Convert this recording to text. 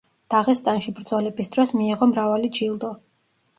დაღესტანში ბრძოლების დროს მიიღო მრავალი ჯილდო.